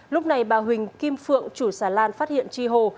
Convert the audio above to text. lúc này bà huỳnh kim phượng chủ xà lan phát hiện chi hồ